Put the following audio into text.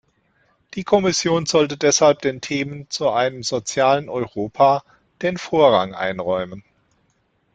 Die Kommission sollte deshalb den Themen zu einem sozialen Europa den Vorrang einräumen.